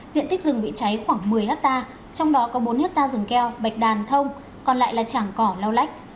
diện tích rừng bị cháy khoảng một mươi hectare trong đó có bốn hectare rừng keo bạch đàn thông còn lại là trảng cỏ lau lách